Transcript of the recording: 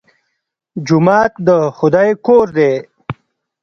جومات د خدای کور دی